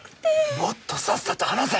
もっとさっさと話せ！